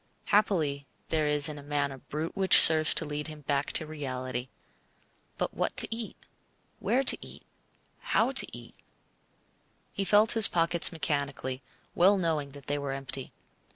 Happily there is in man a brute which serves to lead him back to reality. But what to eat, where to eat, how to eat? He felt his pockets mechanically, well knowing that they were empty.